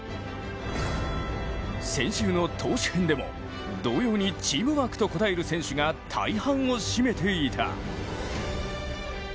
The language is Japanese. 先週の投手編でも同様にチームワークと答える選手が大半を占めていた。